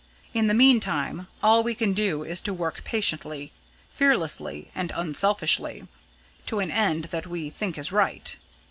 In the meantime, all we can do is to work patiently, fearlessly, and unselfishly, to an end that we think is right.